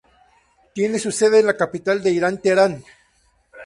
Tiene su sede en la capital de Irán, Teherán.